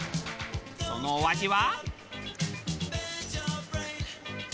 そのお味は？